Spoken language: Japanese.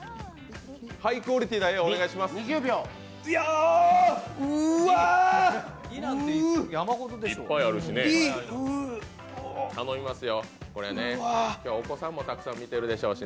ハイクオリティーな絵をお願いします。